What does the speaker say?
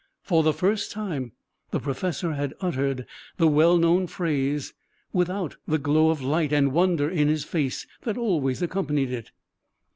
For the first time the professor had uttered the well known phrase without the glow of light and wonder in his face that always accompanied it.